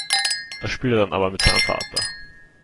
Das spielt er dann aber mit seinem Vater.